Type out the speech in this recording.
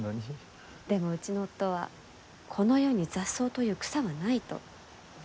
でもうちの夫は「この世に雑草という草はない」と。